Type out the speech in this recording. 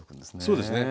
そうですね